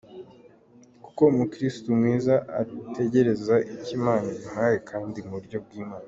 Kuko Umukristu mwiza, ategereza icyo Imana imuhaye kandi mu buryo bw’Imana.